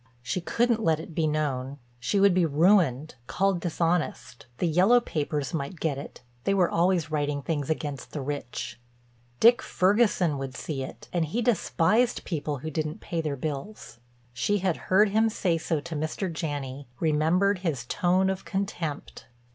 She couldn't let it be known. She would be ruined, called dishonest; the yellow papers might get it—they were always writing things against the rich. Dick Ferguson would see it, and he despised people who didn't pay their bills; she had heard him say so to Mr. Janney, remembered his tone of contempt.